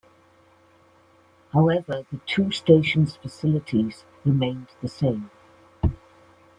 However, the two stations' facilities remained the same.